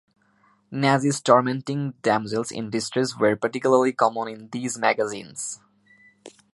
Nazis tormenting damsels in distress were particularly common in these magazines.